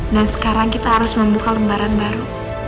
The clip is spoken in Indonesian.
dan sekarang kita harus membuka lembaran baru